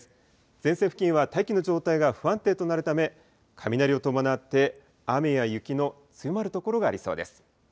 前線付近は大気の状態が不安定となるため、雷を伴って雨や雪の強まる所がありそうです。